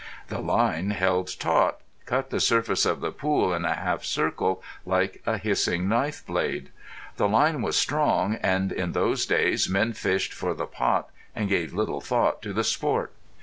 The line, held taut, cut the surface of the pool in a half circle like a hissing knife blade. The line was strong, and in those days men fished for the pot and gave little thought to the sport.